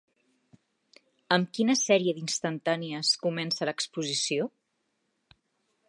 Amb quina sèrie d'instantànies comença l'exposició?